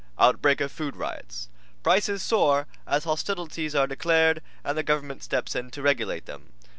OUTBREAK OF FOOD RIOTS Prices Soar as Hostilities Are Declared and the Government Steps in to Regulate Them.